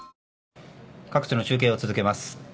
各地の中継を続けます。